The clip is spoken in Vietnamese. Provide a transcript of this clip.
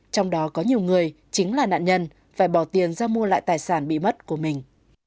trong đó có nhiều người chính là nạn nhân phải bỏ tiền ra mua lại tài sản bị mất của mình